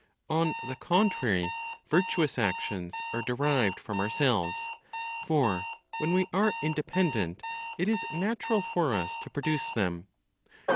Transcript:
On the contrary, virtuous actions are derived from ourselves; for, when we are independent, it is natural for us to produce them.